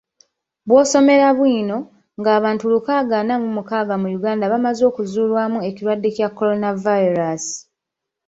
Bwosomera bino, ng'abantu lukaaga ana mu mukaaga mu Uganda bamaze okuzuulwamu ekirwadde kya coronavirus.